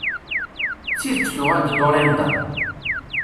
D tidet tuɣal-d Dorenda?